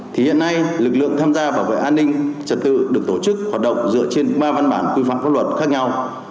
thì hiện nay lực lượng tham gia bảo vệ an ninh trật tự được tổ chức hoạt động dựa trên ba văn bản quy phạm pháp luật khác nhau